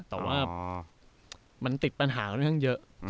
แต่ว่ามันติดปัญหาขนาดนั้นเยอะ